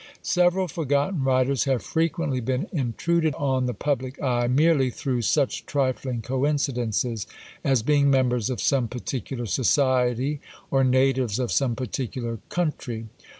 Several forgotten writers have frequently been intruded on the public eye, merely through such trifling coincidences as being members of some particular society, or natives of some particular country.